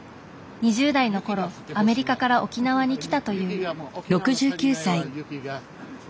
２０代の頃アメリカから沖縄に来たという。